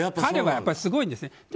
彼はやっぱりすごいんですね。